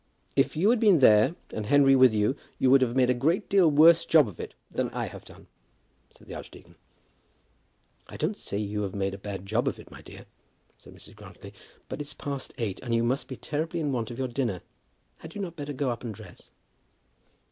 "If you had been there, and Henry with you, you would have made a great deal worse job of it than I have done," said the archdeacon. "I don't say you have made a bad job of it, my dear," said Mrs. Grantly. "But it's past eight, and you must be terribly in want of your dinner. Had you not better go up and dress?"